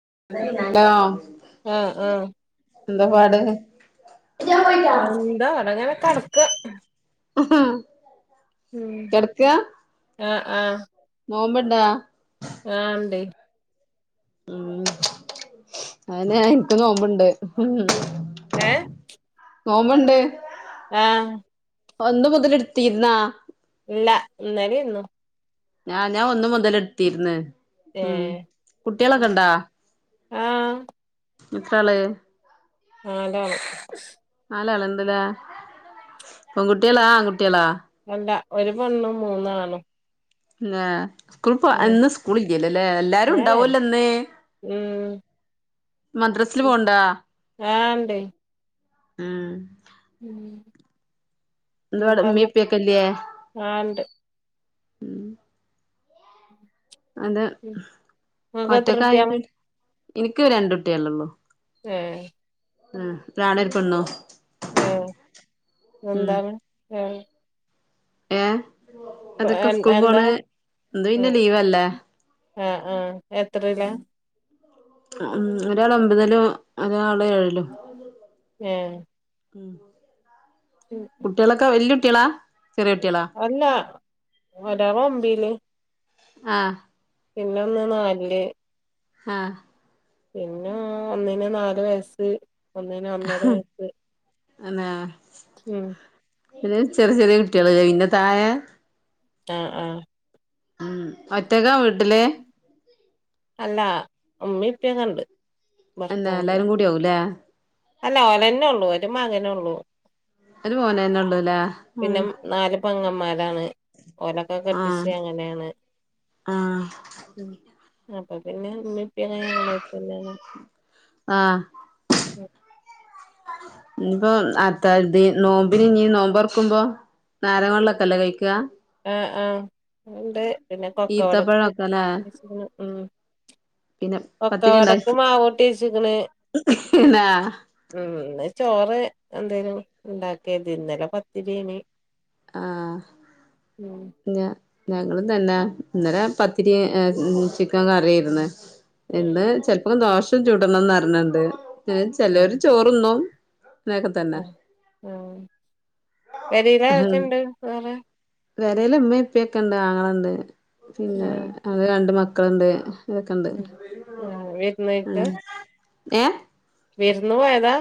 [unintelligible] ആഹ് ആഹ് എന്താ ഉം പാട് എന്താ അതങ്ങനെ കടക്കാ കെടക്കാ? ആഹ് ആഹ് നോമ്പ്ണ്ടാ? ആ ണ്ടയ്. ഉം അതനെ ഇൻക്ക് നോമ്പ്ണ്ട്. ഉം. ഏ നോമ്പുണ്ട് ആ ഒന്ന് മുതല് ഇടുത്തിരുന്നാ? ഇല്ല ഇന്നലിം ഇന്നും ഞാൻ ഞാൻ ഒന്ന് മുതൽ എടുത്തിര്ന്ന്. ഉം ഏഹ് കുട്ടികളൊക്കെ ഇണ്ടാ ആഹ് എത്ര ആള്? അതാണ്. നാലാള് ണ്ട് ലേ. പെൺകുട്ട്യാളോ ആൺ കുട്ട്യാളോ അല്ല ഒരു പെണ്ണും മൂന്നാണും. ലെ. സ്കൂൾ ഉം ഇന്ന് സ്കൂളില്ലല്ലോ ലേ. എല്ലാരും ഏഹ് ഉണ്ടാവോലോ ന്ന്. ഉം മദ്രസില് പോണ്ടാ ആ ണ്ട് ഉം ഉം എന്താടെ ഉമ്മിംഉപ്പിം മൂത്തമ്മക്ക് ഒക്കെല്ലെ ആഹ് ഇണ്ട് ഉം അത് ഇങ്ങക്ക് എത്ര ഒറ്റക്കായി കുട്ട്യാളാ എനിക്ക് രണ്ട് കുട്ടികളുള്ളു എ ഉം ഒരാണ് ഒരു പെണ്ണും ഏ എന്താണ് ഏ ഏ അതൊക്കെ സ്കൂൾ എന്താ പോണ് ഇന്ന് പിന്നെ ലീവല്ലേ ആ ആഹ് എത്രേലാ? ഉം ഒരാൾ ഒമ്പതിലും ഒരാൾ ഏഹ് ഉം കുട്ടിയൊളൊക്കെ വല്യുട്ട്യാളാ അല്ല ഒരാൾ ഒമ്പില് ആഹ് പിന്നൊന്ന് നാൽ ല് ആഹ് പിന്നോ ഒന്നിന് നാല് വയസ്സ് ഒന്നിന് ഒന്നര വയസ്സ് അന്നേ ഉം പിന്നെ ചെറി ചെറേ കുട്ടികള് അയിന്റെ തായെ ആഹ് ആഹ് ഉം ഒറ്റക്കാ വീട്ട്‌ല്? അല്ലാ ഉമ്മി പ്പിക്കണ്ട് എന്നെ എല്ലാരും കൂടി ആകൂല്ലെ? അല്ല ഒനെന്നെ ഒള്ളൂ ഒരു മകനൊള്ളൂ ഒരു മോനന്നെ ഉള്ളൂല്ലേ ഉം പിന്നെ നാല് പെങ്ങമാരാണ് ഓലൊക്കെ ആഹ് കെട്ടിച്ച് അങ്ങനേണ് ആഹ് ഉം അപ്പൊ പിന്നെ മ്മെ പ്പെ [unintelligible] അടുത്തന്നാണ് ആഹ് ഇന്ന് പ്പൊ അത്താഴ്‌തി നോമ്പിന് ഞ്ഞി നോമ്പൊർക്കുമ്പോ നാരങ്ങള്ളൊക്കല്ലെ കഴിക്കാ? ആഹ് ആഹ് അഹ് ണ്ട് പിന്നെ കൊക്കവടക്ക് ഈത്തപ്പഴൊക്കെല്ലേ അറിഞ്ഞെച്ച്ക്ക്ണ് ഉം പിന്നെ പത്തിരി കൊക്കവടക്ക് ഉണ്ടാക്കി മാവൂട്ടിയെച്ച്ക്ക് ണ് ന്നാ ഉം ഇന്ന് ചോറ് എന്തേലും ഇണ്ടാക്കാര്തി ഇന്നലെ പത്തിരേയ്നിം ആഹ് ഞ ഞങ്ങളും തന്നെ ന്നലെ പത്തിരി എ ചിക്കം കറിയേരുന്ന് ഉം ഇന്ന് ചെലപ്പം ദോശ ചൂടണംന്നർണ് ണ്ട് [unintelligible] ചെലര് ചോറ്ന്നും ഉം ഊം പേരെലാരൊക്കെണ്ട് വേറെ? വേരെൽ ഇമ്മീം ഇപ്പിയിം ഒക്കെണ്ട് ആങ്ങളണ്ട് പിന്നെ ആഹ് അവരെ രണ്ട് മക്കള്ണ്ട് ഇതൊക്കെണ്ട് ഉം ആഹ് വിരുന്നോയ്ക്ക ഉം ഏഹ് വിര്ന്ന് പോയതാ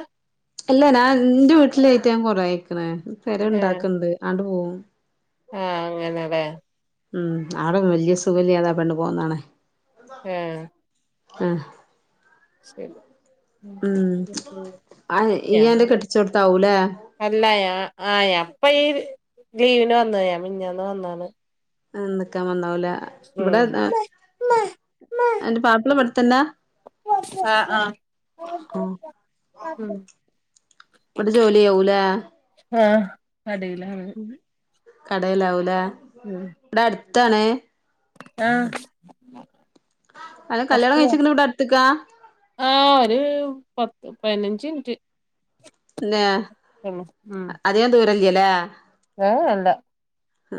അല്ല നാൻ ന്റെ വീട്ടിലായിറ്റ് ഞാൻ കൊറേ അയ്ക്ക്ണ് പെര ഏഹ് ഇണ്ടാക്ക് ണ്ട് ആണ്ട് പോവും ആഹ് അങ്ങനെലെ ഉം ആടെ വല്യ സുഖയില്യതാ പെണ്ണ് പോന്നാണ് ഏഹ് ആഹ് ഉം [unintelligible] ആ യ ഇയ്യ് അന്റെ അങ്ങോണ്ട് കെട്ടിച്ചോട്ത്താവൂലേ അല്ല യാ ആഹ് യാ പ്പ ഈ ലീവിന് വന്ന ഞ [unintelligible] മിഞ്ഞാന്ന് വന്നാണ് ആഹ് നിക്കാൻ വന്ന ആല ഉം വിടെ ദാ എന്റെ പാപ്പിള വടത്തന്നാ ആഹ് ആഹ് ഉം വ്ടെ ജോലി ആവുലേ ആഹ് നാടുവിലാണ് കടേലാവൂലെ? ഉം ത്താണ് ആഹ്. [unintelligible] അന്റെ കല്യാണം കഴിച്ച്ക്ക്ണെ ഇവിടെ അടുത്ത്ക്കാ ആ ഒര് പൊ പതിനഞ്ച് മിനിറ്റ് ന്നെ അധികം ദൂരല്ല ല്ലേ ഏ ല്ല ആ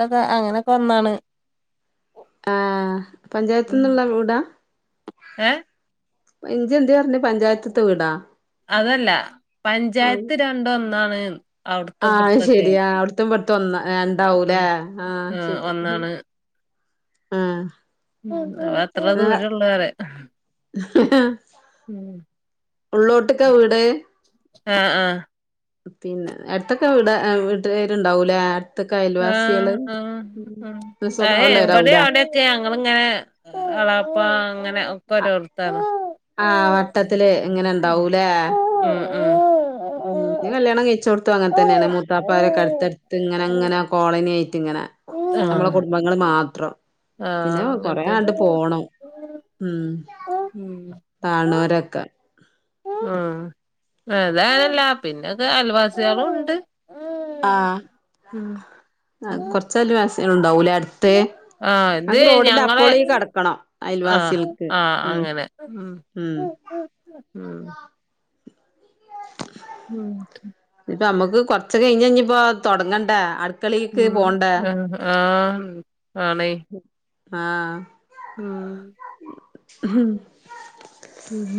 തൊക്കെ അങ്ങനൊക്കെ വന്നാണ് ആ പഞ്ചായത്ത്ന്ന്ള്ള വീടാ ഏ ജ് ന്തെ പറഞ്ഞേ പഞ്ചായത്ത്ത്തെ വീടാ അതല്ല പഞ്ചായത്ത് രണ്ടും ഒന്നാണ്ന്ന് ആ അത് ശെരി അവിട്തോം ഇവ്ട്തോം ഒന്ന് രണ്ടാവൂലെ ഉം ആ ശെരി ആ അത്ര ദൂരൊള്ളൂ പറയാ ഉള്ളോട്ട്ക്കാ വീട് ആ ആ പിന്നെ അടുത്തൊക്കെ ഇവ്ടെ വീട്ടുകാരുണ്ടാവൂലേ ആ ആ ഏ ഇവിടെ സ്വഭാവള്ളോരാവൂലേ അവിടൊക്കെ ഞങ്ങളിങ്ങനെ എളാപ്പഅങ്ങനെ ഒക്കെ ഒരോട്ത്താണ് ആ വട്ടത്തില് ഇങ്ങനെ ഇണ്ടാവൂല്ലേ ആ ഉം ന്നെ കല്യാണം കയിച്ചോട്ത്തും അങ്ങനെത്തെന്നേണ് മൂത്താപ്പാരൊക്കെ അടുത്ത്ടുത്ത് ങ്ങനെ ഉം ങ്ങനെ കോളനിയായി റ്റ് ങ്ങനെ നമ്മളെ ആഹ് കുടുംബങ്ങള് മാത്രം ആഹ് പിന്നെ കൊറേ അങ്ങനത്തെ ആണ്ട് പോണം ഉം കാണോരൊക്കെ ഉം അതാനല്ല പിന്നെ അയൽവാസികളും ണ്ട് ആ ആ കൊറച്ചയൽ വാസികളുണ്ട് ണ്ടാവൂലെ അട്ത്ത് ആഹ് ഇത് ഞങ്ക്ക്ക് റോഡിന്റെ ഞങ്ങളെ അപ്പൊളീ കടക്കണം അയൽവാസി ഉം മം ഉം മം ഉം പ്പൊ നമ്മക്ക് കൊർച്ച് കഴിഞ്ഞഞ്പ്പോ തൊടങ്ങണ്ടേ അ മംഅ ആ ആ ആണെ ആ ഉം ഹും ഉം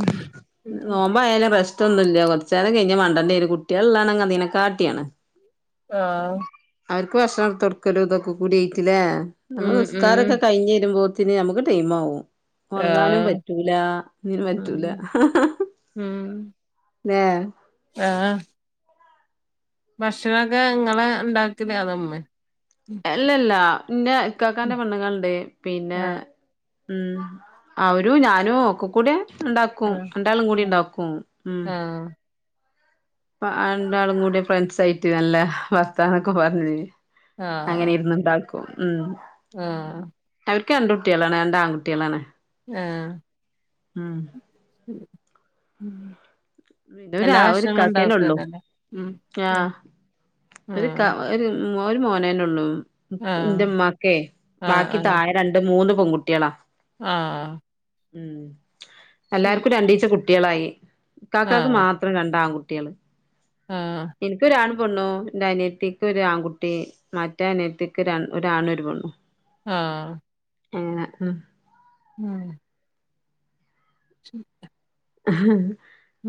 നോമ്പായാല പ്രശ് റ്റൊന്നുല്ല കുറച്ചാലം കഴിഞ്ഞ മണ്ടണ്ടി വെരും കുട്ട്യാള്ണ്ടെങ്കി അതിനെ കാട്ടിയാണ് ആ അവർക്ക് ഭക്ഷണം ട്ത്തൊട്ക്കലും ഇതൊക്കെക്കൂടിയായിറ്റ് ല്ലേ ഞമ്മള് ഉം ഉം നിസ്കാരൊക്കെ കഴിഞ് വെരുമ്പോ ത്തിന് ഞമ്മക്ക് ടൈംമാവും ഒറങ്ങാനും ആഹ് പറ്റൂല ഒന്നിനും പറ്റൂല ല്ലേ ആ ഭക്ഷണൊക്കെ ഇങ്ങള ഇണ്ടാക്കല് അതോ ഇമ്മേ അല്ലല്ലാ ഇന്റെ ഇക്കാക്കാന്റെ പെണ്ണുങ്ങൾണ്ട് പിന്നെ ആഹ് ഉം അവരും ഞാനും ഒക്കെ കൂടി ഇണ്ടാക്കും ആഹ് രണ്ടാളും കൂടി ഇണ്ടാക്കും ഉം ആഹ് രണ്ടാളും കൂടെ ഫ്രണ്ട്സായിട്ട് നല്ല വർത്താനൊക്കെ പറഞ് അങ്ങനെ ഇര്ന്ന്ണ്ടാക്കും ഉം ആ അവർക്ക് രണ്ട് കുട്ട്യാളാണ് രണ്ട് ആൺകുട്ട്യാളാണ് ആഹ് അഹ് [inaudible] ഇതൊരാ എല്ലാ ആ ഭക്ഷണങ്ങളും ഒരുക്കാക്കന്നെ ഉള്ളു ഇണ്ടാക്കുവല്ലോല്ലേ ഉം ആഹ് ഒരു ക ആഹ് ഒരു മോന് മോനേന്നെ ഉള്ളു ന്റെ മ്മാക്കേ ആഹ് ആഹ് ബാക്കി ആഹ് താഴെ രണ്ട് മൂന്ന് പെൺകുട്ടിളാ ആഹ് ഉം ശരി എല്ലാർക്കും രണ്ടീച്ച കുട്ടികളായി കാക്കക്ക് ആഹ് മാത്രം രണ്ടാകുട്ടി- ട്ടിള് ആഹ് എനിക്കൊരാണ്- പെണു എന്റെ അനിയത്തിക്ക് ഒരു ആൺകുട്ടി മറ്റേ അനിയത്തിക്ക് ഒരാൺ ഒരാണു ഒരു പെണ്- ആഹ് അങ്ങനെ ഉം ഉം ശ [unintelligible] ആഹ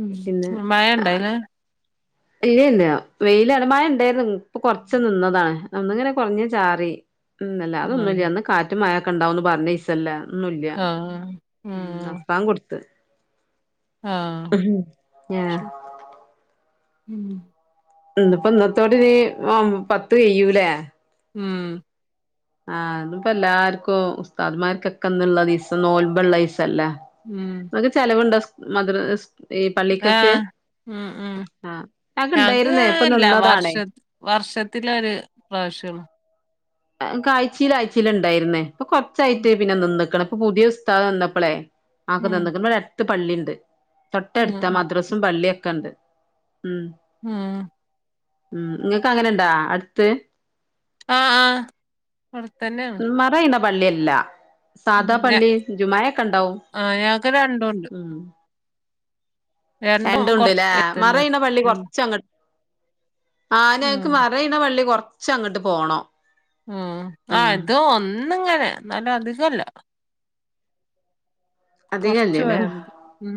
ഉം മഴ ഇണ്ടായില്ല ഏയ്‌ല്ല വെയിലാണ് മയേണ്ടാരുന്നു ഇപ്പ കൊറച് നിന്നതാണ് ഒന്നിങ്ങനെ കൊറഞ്ഞ് ചാറി മ് ന്നല്ല ഉം അതൊന്നുല്ല ഇന്ന് കാറ്റും മയൊക്കെണ്ടാവുന്ന് പറഞ്ഞ ഇസല്ലാ ഒന്നുല്ല ആഹ് ഉം അസ്റാങ്ക് കൊട്ത്ത് ആഹ് ഉം ആ ഉം ഇന്നിപ്പോ ഇന്നത്തോടി നീ ആ പത്ത് കയൂലേ ഉം ആഹ ഇന്ന്പ്പ എല്ലാർക്കും ഉസ്താദ്മാർക്കൊക്കെന്നുള്ളതിസം നോൽബള്ള തീസം തല്ല ഉം മക്ക് ചെലവുണ്ടോ മത്റസ്- ആഹ് ഉം ഉം ആഹ് ഞങ്ങക്ക് ഇണ്ടായിരുന്നേ ആ ഇപ്പൊ അല്ല വർഷ നിന്നതാണേ വർഷത്തിലൊരു പ്രാവശ്യള്ളു ക്കാ ആഴ്ചിൽ ആഴ്‌ചില് ഉണ്ടായിരുന്നേ ഇപ്പൊ കൊറച്ചായിട്ട് പിന്നെ നിന്നക്ണ- ഇപ്പൊ പുതിയ സ്താന്നപ്പളേ ആക്ക ഉം നിന്ന്ക [unintelligible] അടുത്ത് പള്ളിണ്ട് ഉം തൊട്ടടുത്ത് മദ്രസും പള്ളിയൊക്കെ ഉണ്ട് ഉം ഉഹ ഉം ങ്ങക്ക് അങ്ങനെ ഇണ്ടാ അടുത്ത് ആ ആ മറയിന്ന പള്ളിയല്ല ഉം സാദാ ഞ പള്ളി ജുമായക്കണ്ടാവും ആഹ് ഞങ്ങക്ക് രണ്ടുണ്ട് ഉം രണ്ട് രണ്ടും ഉണ്ട്ല്ലേ കൊറച്ച് തന്നെ മറയിന്ന പള്ളി ഉം കൊറച്ചങ്ങ- ആ ഞക്ക് ആഹ് മറയിണ പള്ളി കൊറച്ച അങ്ങട്ട് പോണം ഉ ആ ഉം ഇതൊന്നങ്ങനെ ന്നാലും അധികല്ല കൊറച്ച് പോയാമതി ഉം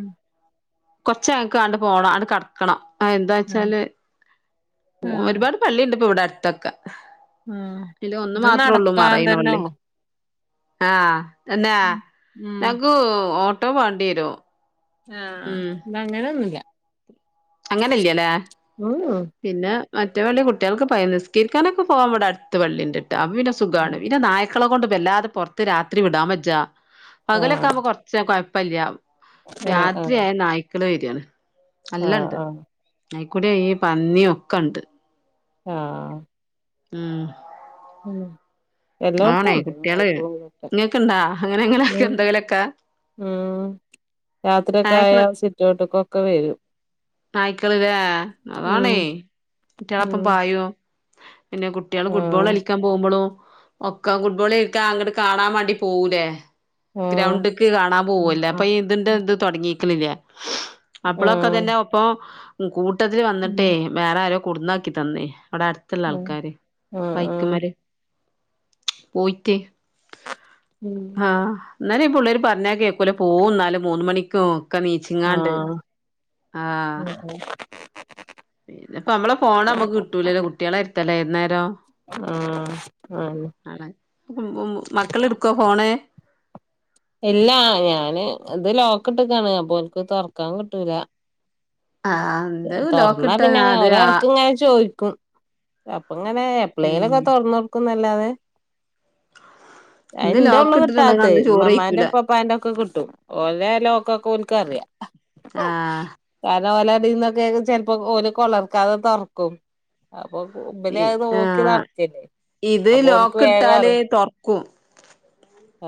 കൊച്ചാങ്ങക്ക് [unintelligible] പോണം ആണ്ട് കടക്കണം ആ ആഹ് എന്താച്ചാല് ആഹ് ഒരുപാട് പള്ളിയുണ്ട്പ്പ ഇവിടെ അടുത്തൊക്കെ ആഹ് ഇതൊന്ന് ഇത് മാത്രൊള്ളൂ നടക്കാൻ മറയിന തന്നെ വള്ളി ഉള്ളു ആഹ് തന്നാ ഉം ഞങ്ങ്ക്കു ഓട്ടോ വാണ്ടിരും ആഹ് ഇതങ്ങനൊന്നുല്ല അങ്ങനില്ലേലാ ഉം പിന്നാ മറ്റേ പള്ളി കുട്ട്യൾക്ക് പയ നിസ്കരിക്കാനൊക്കെ പോവാവിടെ അടുത്ത് വള്ളി ഇണ്ട്ട്ടാ അപിന്നെ ഉം സുഖാണ് പിന്ന നാ- നായ് ക്കളെ കൊണ്ട് വല്ലാതെ പൊറത്ത് രാത്രി വിടാൻ വെജാ പകലൊക്കെ ആഹ് ആമ്പോ കൊറച്ച കുഴപ്പല്ല ആഹ് ആഹ് രാത്രിയായ നായ്ക്കള് വരും ആഹ് നല്ലണ്ട് ആഹ് അയിക്കൂടെ ഈ പന്നി ഒക്കെണ്ട്. ആഹ് ഉം ഉം ആണേ എല്ലാട്ത്തുണ്ട് കുട്ടികള് നായിക്കളും ഇങ്ങക്ക്ണ്ടാ അങ്ങനെ എങ്ങനെയൊക്കെ എന്തെങ്കിലൊക്കെ ഉം രാത്രിയൊക്കെ ആയാൽ സിറ്റോട്ടിക്കൊക്കെ വരും. നായ്ക്കളിലേ അതാണേ ഉം ഇറ്റളപ്പം ഉം പായു. പിന്നെ കുട്ടികള് ഫുട്ബോള് ആഹ് കളിക്കാൻ പോമ്പുളും ഒക്കാ ഫുട്ബോള് കളിക്കാ അങ്ങട് കാണാൻ വേണ്ടി പോവൂലേ? ആഹ് ഗ്രൗണ്ട്ക്ക് കാണാൻ പൂവല്ല ആഹ് അപ്പാതിന്റെ ഇത് തൊടങ്ങിക്കിണില്ലേ? അപ്പളൊക്കെതന്നെ ഉം ഒപ്പം കൂട്ടത്തില് വന്നിട്ടേ വേറാരോ കുടന്നാക്കി തന്നേ. അടെ അടുത്ത്ള്ള ആഹ് ആൾക്കാര് ആഹ് വൈക്കമ്മര് പോയിട്ടേ. ആ എന്നാല് ഈ പുള്ളേര് പറഞ്ഞ കേക്കൂല പോവുന്നാല് മൂന്ന്‌ മണിക്കു ക്കെ ആഹ് നീച്ചിങ്ങാണ്ട്. ആഹ് ആഹ് [unintelligible] പിന്നെപ്പ നമ്മളെ ഫോണ് അമക്ക് കിട്ടൂലല്ലോ കുട്ടിളെ അടുത്തല്ലേ ഏതുനേരം. ആണ് മക്കളെടുക്കുവോ ഫോണ്? ഇല്ലാ ഞാന് ഇത് ലോക്ക് ഇട്ട്ക്കാണ് അപ്പൊല്ക്ക് തൊറക്കാൻ കിട്ടൂല. ആഹ് എന്ത് ലോക്ക് തൊറന്നാ ഇട്ടാ പിന്നെ അത് ആ ഓലെറക്കിങ്ങനെ ചോയി അപ്പങ്ങനെ ഉം എപ്ലലൊക്കെ തൊറന്നൊടുക്കുന്നല്ലാതെ ഇന്ന് അയെന്റെയൊള്ളൂ ലോക്ക് ഇട്ടിട്ടുണ്ടെങ്കി കിട്ടാത്ത അന്ന് ചോറ് ഉമ്മമ്മാന്റെ കഴിക്കൂല ഉപ്പുപ്പാന്റെക്കെ കിട്ട് ട്ടും ഓലെ ലോക്കൊക്കെ ഓൽക്കറിയാം. ആ ഓലെ അതിന്നൊക്കെ ചെൽപ്പോ ഓലെ കൊളർക്കാതെ തൊറക്കും. [unintelligible] ഇ ഉമ്പലെയായത് ഓക്കി ആഹ് നടക്കല്ലേ ഇത് അപ്പൊൽക്ക്‌ ലോക്ക് ഇട്ടാല് വേഗാറി തൊറക്കും ആ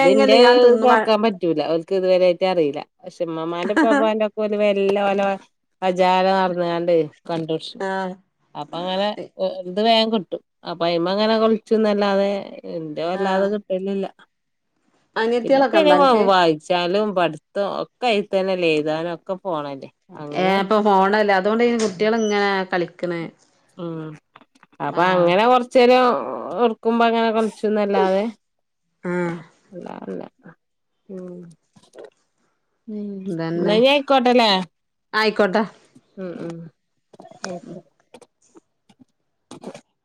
ഇതിന്റെ ഞാൻ തിന്നുമ്പ തൊർക്കാൻ പറ്റൂല. ക്കിതുവരെയായിട്ട് അറിയില്ല പഷേ ഉമ്മമാന്റെ ഉപ്പാപ്പന്റെ ഓല് വെല്ലേ ലോ അജാരെ നടന്ന്‌ങ്ങണ്ട് കണ്ടുടിച്ചു ആഹ് അപ്പങ്ങനെ അത് വേഗം കിട്ടും അപ്പയിമങ്ങനെ കളിക്കുന്നല്ലാതെ എന്റെ ആഹ് വല്ലാതെ കിട്ടലില്ല. അനിയത്തികളൊക്കെ പിന്നെപ്പിനി ഉണ്ടോ അനക്ക് [unintelligible] വായിച്ചാലും പട് ത്തൊ ഒക്കെ എഴ്ത്തന്നെല്ലേ എഴുതാനും ഒക്കെ പോണതല്ലേ. ഏ അപ്പ ഫോണല്ലേ അതുകൊണ്ട്നി കുട്ടികളിങ്ങനെ കളി ഉം അപ്പ ആഹ് അങ്ങനെ കൊറച്ചേരം രം എടുക്കുമ്പങ്ങനെ കളിച്ചുന്നല്ലാതെ ആഹ് അല്ലഅല്ല. ഉം ഉം അതന്നെ എന്നയ് ആയിക്കോട്ടല്ലേ ആയിക്കോട്ടെ ഉം ഉം [inaudible]